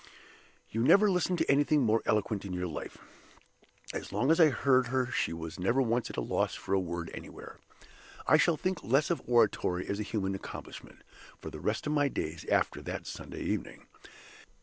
You never listened to anything more eloquent in your life. As long as I heard her she was never once at a loss for a word anywhere. I shall think less of oratory as a human accomplishment, for the rest of my days, after that Sunday evening.